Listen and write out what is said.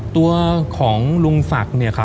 ตัวของลุงสัก